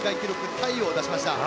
タイを出しました。